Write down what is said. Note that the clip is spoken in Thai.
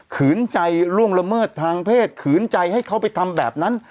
ขืนใจล่วงละเมิดทางเพศขืนใจให้เขาไปทำแบบนั้น